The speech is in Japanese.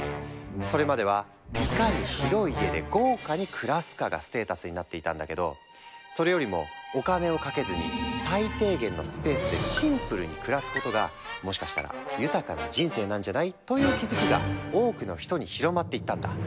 それまではいかに広い家で豪華に暮らすかがステータスになっていたんだけどそれよりもお金をかけずに最低限のスペースでシンプルに暮らすことがもしかしたら豊かな人生なんじゃない？という気付きが多くの人に広まっていったんだ。